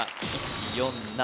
１４７